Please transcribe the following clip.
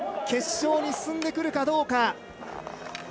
決勝に進んでくるかどうか。